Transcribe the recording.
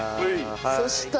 そしたら？